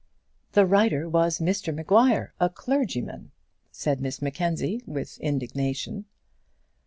"The writer was Mr Maguire, a clergyman," said Miss Mackenzie, with indignation.